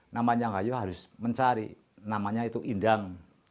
namanya ngayu harus mencari namanya itu indang